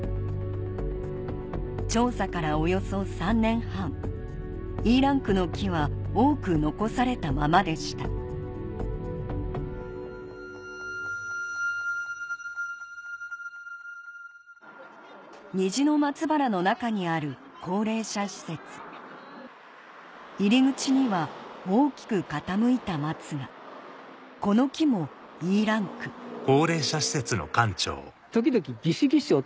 調査からおよそ３年半Ｅランクの木は多く残されたままでした虹の松原の中にある高齢者施設入り口には大きく傾いた松がこの木もＥランクこれですか？